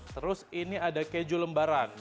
terus ini ada keju lembaran